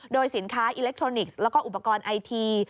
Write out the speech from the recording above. โดยสินค้าอิเล็กทรอนิกส์แล้วก็อุปกรณ์ไอที